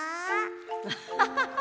アハハハ！